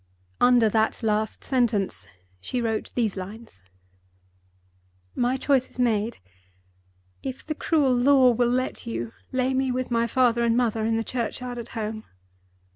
Under that last sentence, she wrote these lines: "My choice is made. If the cruel law will let you, lay me with my father and mother in the churchyard at home.